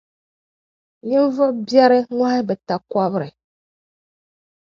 Ninvuɣ’ biɛri ŋɔhi bɛ takɔbiri.